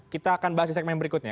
kita akan bahas di segmen berikutnya